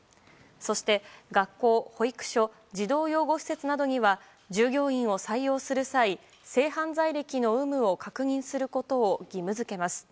そして、学校、保育所児童養護施設などには従業員を採用する際性犯罪歴の有無を確認することを義務付けます。